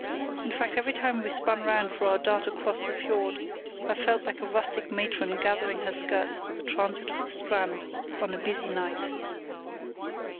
In fact, every time we spun round for our dart across the fiord I felt like a rustic matron gathering her skirts for the transit of the Strand on a busy night.